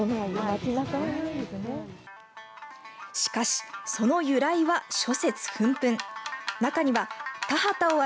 しかしその由来は諸説紛々。